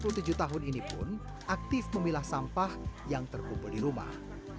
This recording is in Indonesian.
inyoman sweka yang berusia tujuh puluh tujuh tahun ini pun aktif memilah sampah yang terkumpul di rumah